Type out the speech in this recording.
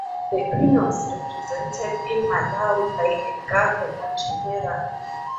The Queen was represented in Malawi by a Governor-General.